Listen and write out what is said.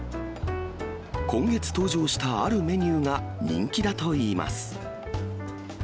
今月登場したあるメニューが人気だといいます。